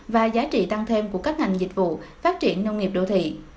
và giá trị tăng thêm của các ngành dịch vụ phát triển nông nghiệp đô thị